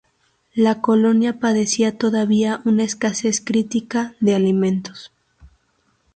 La colonia padecía todavía una escasez crítica de alimentos.